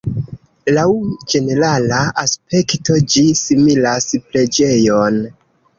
Laŭ ĝenerala aspekto ĝi similas preĝejon.